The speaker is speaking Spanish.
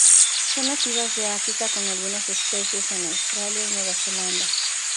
Son nativas de África con algunas especies en Australia y Nueva Zelanda.